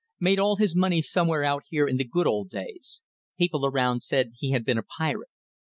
Made all his money somewhere out here in the good old days. People around said he had been a pirate.